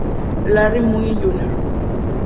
Larry Mullen Jr.